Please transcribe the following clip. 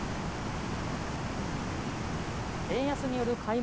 円安による買い